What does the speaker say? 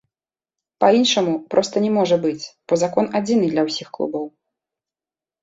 Па-іншаму проста не можа быць, бо закон адзіны для ўсіх клубаў.